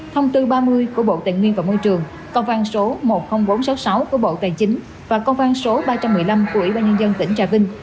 thông tư ba mươi của bộ tài nguyên và môi trường công an số một mươi nghìn bốn trăm sáu mươi sáu của bộ tài chính và công an số ba trăm một mươi năm của ủy ban nhân dân tỉnh trà vinh